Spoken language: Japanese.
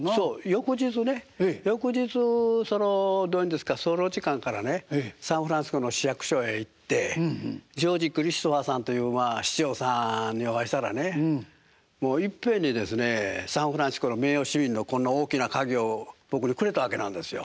翌日ね翌日どう言うんですかその時間からねサンフランシスコの市役所へ行ってジョージ・クリストファーさんという市長さんにお会いしたらねもういっぺんにですねサンフランシスコの名誉市民のこんな大きな鍵を僕にくれたわけなんですよ。